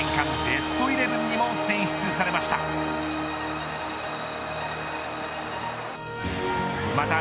ベストイレブンにも選出されました。